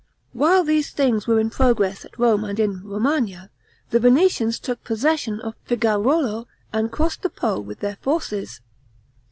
While these things were in progress at Rome and in Romagna, the Venetians took possession of Figaruolo and crossed the Po with their forces.